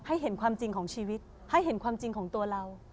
เห็นความจริงของชีวิตให้เห็นความจริงของตัวเรา